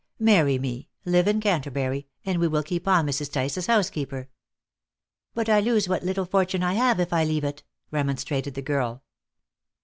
Marry me, live in Canterbury, and we will keep on Mrs. Tice as housekeeper." "But I lose what little fortune I have if I leave it," remonstrated the girl.